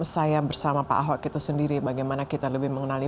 saya bersama pak ahok itu sendiri bagaimana kita lebih mengenali